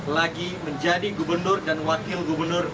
lagi menjadi gubernur dan wakil gubernur